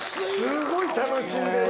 すごい楽しんでる。